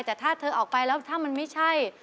แต่ถ้าเธอออกไปแล้วถ้ามันไม่ใช่